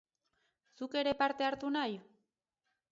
Zuk ere parte hartu nahi?